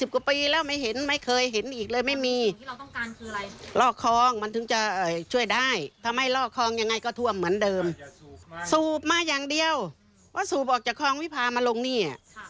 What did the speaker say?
๒๐กว่าปีแล้วไม่เห็นไม่เคยเห็นอีกเลยไม่มี